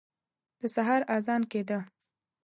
د سهار اذان کېده.